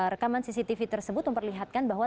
rekaman cctv tersebut memperlihatkan bahwa